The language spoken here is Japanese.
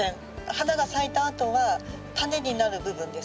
花が咲いたあとはタネになる部分ですね